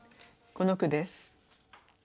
この句です。